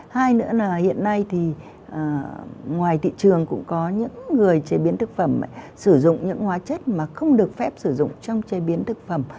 hai nữa là hiện nay thì ngoài thị trường cũng có những người chế biến thực phẩm sử dụng những hóa chất mà không được phép sử dụng trong chế biến thực phẩm